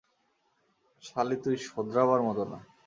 শালি তুই শোধরাবার মতো না।